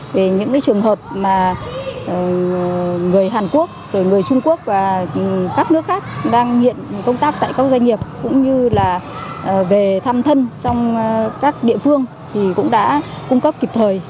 về những trường hợp mà người hàn quốc người trung quốc và các nước khác đang hiện công tác tại các doanh nghiệp cũng như là về thăm thân trong các địa phương thì cũng đã cung cấp kịp thời